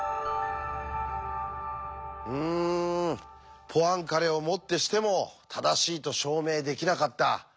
うんポアンカレをもってしても正しいと証明できなかった。